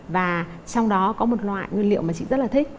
và trong đó có một loại nguyên liệu mà chị rất là thích